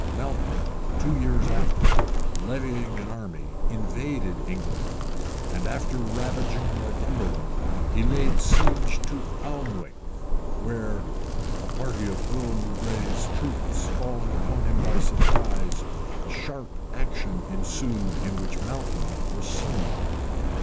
{1093.} Malcolm, two years after, levying an army, invaded England; and after ravaging, Northumberland, he laid siege to Alnwick, where, a party of Earl Moubray's troops falling upon him by surprise, a sharp action ensued in which Malcolm was slain.